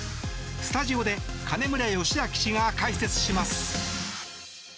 スタジオで金村義明氏が解説します。